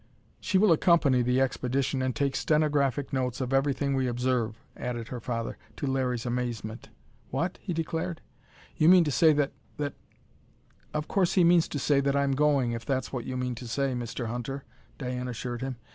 "She will accompany the expedition and take stenographic notes of everything we observe," added her father, to Larry's amazement. "What?" he declared. "You mean to say that that " "Of course he means to say that I'm going, if that's what you mean to say, Mr. Hunter," Diane assured him.